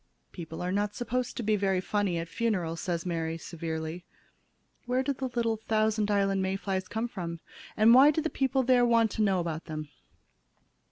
"People are not supposed to be very funny at funerals," said Mary, severely. "Where did the little Thousand Islands May flies come from, and why do the people there want to know about them?"